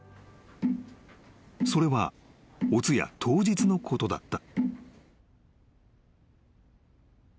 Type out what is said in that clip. ［それはお通夜当日のことだった］